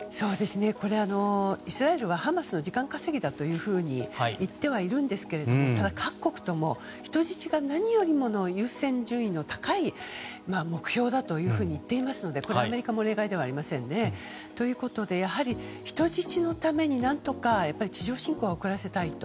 これはイスラエルはハマスの時間稼ぎだと言ってはいますが各国とも、人質が何よりもの優先順位の高い目標だと言っていますので、アメリカも例外ではありませんね。ということでやはり人質のために何とか地上侵攻は遅らせたいと。